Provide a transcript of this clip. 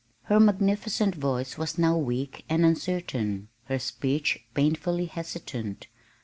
Her magnificent voice was now weak and uncertain. Her speech painfully hesitant.